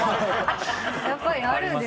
やっぱりあるんですね。